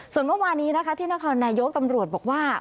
ส่วนประมาณนี้นะคะที่ณครวดนายโยคตำรวจบอกว่า